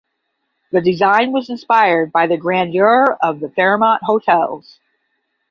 The design was inspired by the grandeur of the Fairmont hotels.